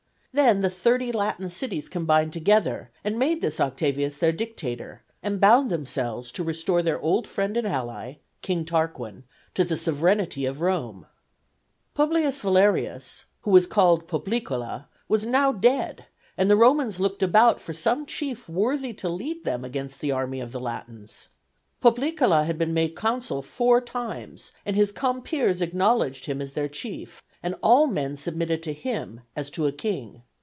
Then the thirty Latin cities combined together and made this Octavius their dictator, and bound themselves to restore their old friend and ally, King Tarquin, to the sovereignty of Rome. P. Valerius, who was called "Poplicola," was now dead, and the Romans looked about for some chief worthy to lead them against the army of the Latins. Poplicola had been made consul four times, and his compeers acknowledged him as their chief, and all men submitted to him as to a king.